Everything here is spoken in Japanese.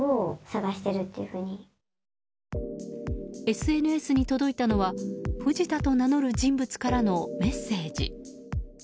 ＳＮＳに届いたのは藤田と名乗る人物からのメッセージ。